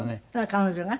彼女が？